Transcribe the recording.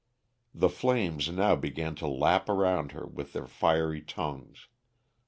The flames now began to lap around her with their fiery tongues.